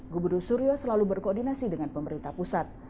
gubernur suryo selalu berkoordinasi dengan pemerintah pusat